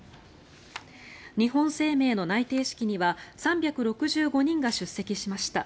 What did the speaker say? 日本生命の内定式には３６５人が出席しました。